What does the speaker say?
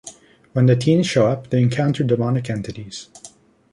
When the teens show up, they encounter demonic entities.